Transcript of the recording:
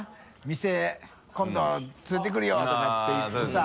店今度連れてくるよ」とかって言ってさ。